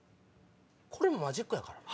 これもマジックやからな。